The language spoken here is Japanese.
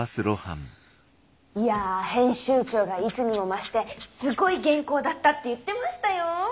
いや編集長がいつにも増してすごい原稿だったって言ってましたよォ。